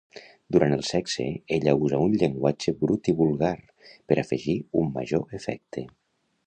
Durant el sexe ella usa un llenguatge brut i vulgar per afegir un major efecte.